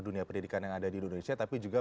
dunia pendidikan yang ada di indonesia tapi juga